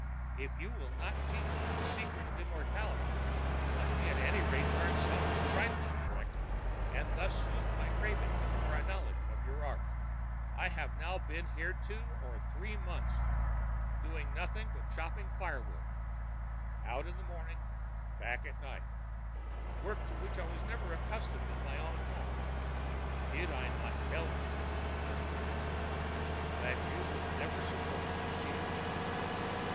If you will not teach me the secret of Immortality, let me at any rate learn some trifling trick, and thus soothe my cravings for a knowledge of your art. I have now been here two or three months, doing nothing but chop firewood, out in the morning and back at night, work to which I was never accustomed in my own home.ã ãDid I not tell you,ã replied the priest, ãthat you would never support the fatigue?